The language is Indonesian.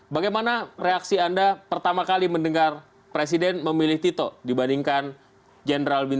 bagaimana reaksi anda pertama kali mendengar presiden memilih tito dibandingkan general bin